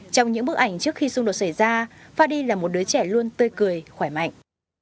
trong những bức ảnh trước khi xung đột xảy ra fadi là một đứa trẻ luôn tươi cười khỏe mạnh